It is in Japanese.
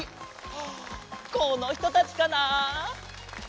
ああこのひとたちかな？